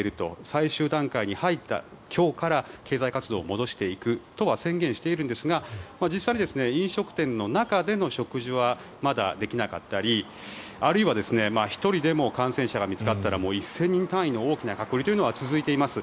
最終段階に入った、今日から経済活動を戻していくとは宣言しているんですが実際に飲食店の中での食事はまだできなかったり、あるいは１人でも感染者が見つかったらもう、１０００人単位の大きな隔離は続いています。